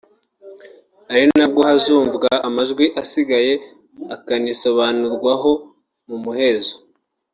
ari nabwo hazumvwa amajwi asigaye akanisobanurwaho mu muhezo